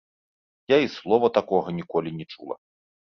Я і слова такога ніколі не чула.